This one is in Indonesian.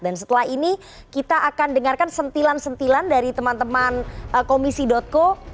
dan setelah ini kita akan dengarkan sentilan sentilan dari teman teman komisi co